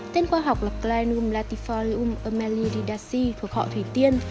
tên khoa học là kleinum latifolium amelioridacea thuộc họ thủy tiên